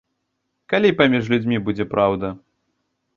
Калі паміж людзьмі будзе праўда?